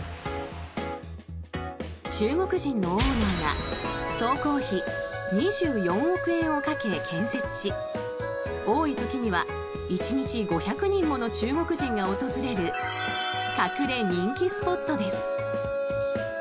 中国人のオーナーが総工費２４億円をかけ、建設し多い時には１日５００人もの中国人が訪れる隠れ人気スポットです。